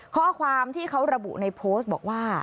ข้อความที่เขาระบุในโพสต์บอกว่า